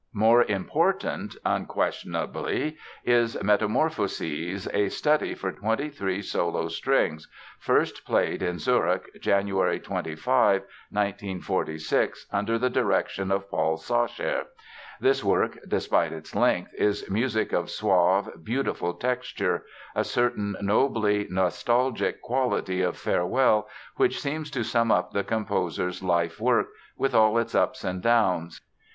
More important, unquestionably, is Metamorphoses, a "study for 23 solo strings", first played in Zurich, January 25, 1946 under the direction of Paul Sacher. This work, despite its length, is music of suave, beautiful texture; a certain nobly nostalgic quality of farewell which seems to sum up the composer's life work, with all its ups and downs.